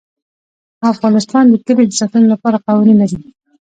افغانستان د کلي د ساتنې لپاره قوانین لري.